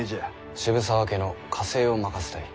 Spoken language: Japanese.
渋沢家の家政を任せたい。